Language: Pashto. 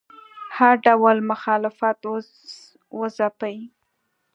هر ډول مخالفت وځپي